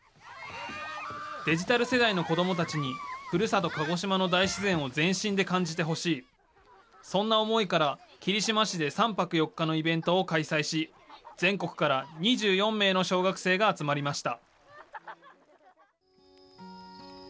デジタル世代の子どもたちに、ふるさと鹿児島の大自然を全身で感じてほしい、そんな思いから、霧島市で３泊４日のイベントを開催し、全国から２４名の小学生が集まりました。